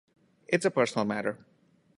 It's a personal matter.